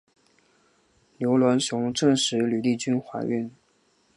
刘銮雄证实吕丽君怀孕。